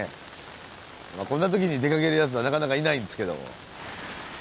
こんな時に出かけるやつはなかなかいないんですけども。